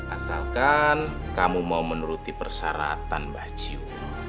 asalkan kamu mau menuruti persyaratan mbak jiwo